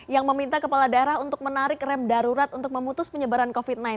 yang meminta kepala daerah untuk menarik rem darurat untuk memutus penyebaran covid sembilan belas